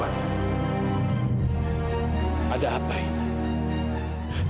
fadil ada apa ini